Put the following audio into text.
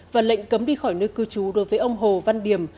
và lệnh cấm đi khỏi nơi cư trú đối với ông hồ văn điểm